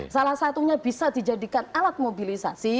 salah satunya bisa dijadikan alat mobilisasi